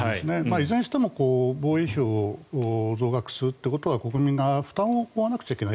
いずれにしても防衛費を増額するということは国民が負担を負わなくちゃいけない。